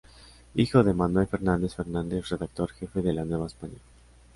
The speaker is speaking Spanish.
Hijo de Manuel Fernández Fernández, redactor jefe de La Nueva España.